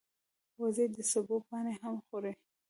وزې د سبو پاڼې هم خوري